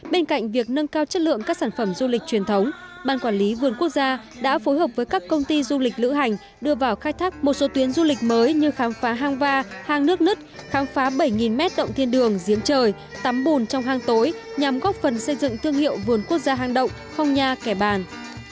bên cạnh việc nâng cao chất lượng các sản phẩm du lịch truyền thống ban quản lý vườn quốc gia đã phối hợp với các công ty du lịch lữ hành đưa vào khai thác một số tuyến du lịch mới như khám phá hang va ha hang nước nứt khám phá bảy mét động thiên đường giếng trời tắm bùn trong hang tối nhằm góp phần xây dựng thương hiệu vườn quốc gia hang động phong nha kẻ bàng